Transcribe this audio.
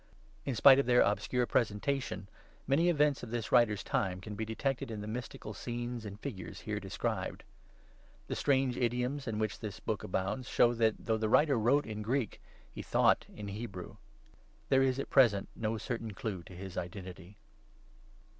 In spite of their obscure presentation, many events of this writer's time can be detected in the mystical scenes and figures here described. The strange idioms in which this Book abounds show that, though the author wrote in Greek, he thought in Hebrew. There is at present no certain clue to his identity.